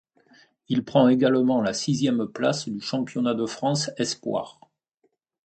Il prend également la sixième place du championnat de France espoirs.